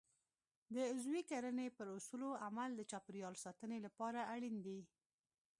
د عضوي کرنې پر اصولو عمل د چاپیریال ساتنې لپاره اړین دی.